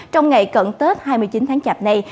trong ngày cận tết hai mươi chín tháng chạp này